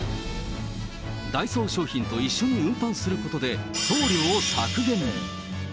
ダイソー商品と一緒に運搬することで、送料を削減。